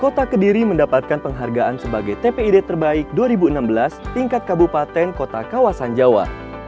kota kediri mendapatkan penghargaan sebagai tpid terbaik dua ribu enam belas tingkat kabupaten kota kawasan jawa